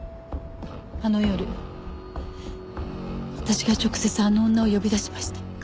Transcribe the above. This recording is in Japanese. あの夜私が直接あの女を呼び出しました。